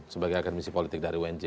sebagai agen misi politik dari unj